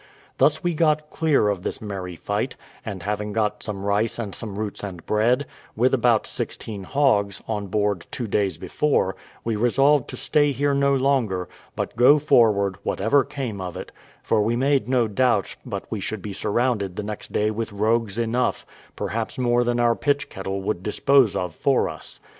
Thus we got clear of this merry fight; and having got some rice and some roots and bread, with about sixteen hogs, on board two days before, we resolved to stay here no longer, but go forward, whatever came of it; for we made no doubt but we should be surrounded the next day with rogues enough, perhaps more than our pitch kettle would dispose of for us.